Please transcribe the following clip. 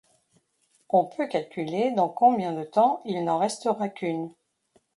On peut calculer dans combien de temps il n'en restera qu'une.